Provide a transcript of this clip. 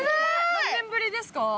何年ぶりですか？